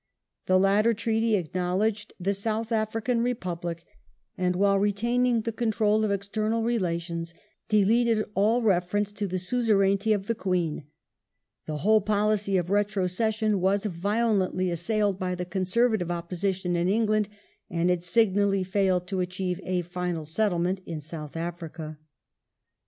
The latter treaty acknowledged the " South African Republic," and, while retaining the control of ex ternal relations, deleted all reference to the suzerainty of the Queen. The whole policy of retrocession was violently assailed by the Con servative opposition in England ^ and it signally failed to achieve a final settlement in South Africa.